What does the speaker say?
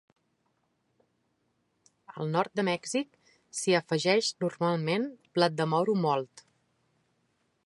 Al nord de Mèxic s'hi afegeix normalment blat de moro molt.